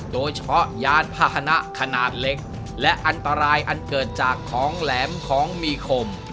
ยานพาหนะขนาดเล็กและอันตรายอันเกิดจากของแหลมของมีคม